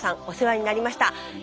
お世話になりました。